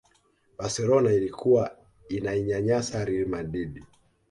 barcelona ilikuwa inainyanyasa real madrid